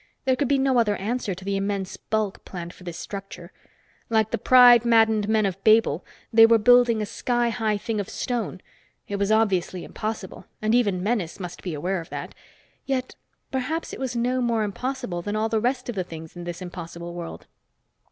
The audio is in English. There could be no other answer to the immense bulk planned for this structure. Like the pride maddened men of Babel, they were building a sky high thing of stone. It was obviously impossible, and even Menes must be aware of that. Yet perhaps it was no more impossible than all the rest of the things in this impossible world.